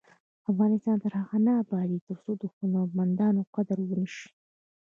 افغانستان تر هغو نه ابادیږي، ترڅو د هنرمندانو قدر ونشي.